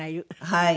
はい。